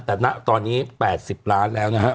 แต่ณตอนนี้๘๐ล้านแล้วนะฮะ